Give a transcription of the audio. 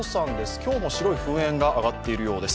今日も白い噴煙が上がっているようです。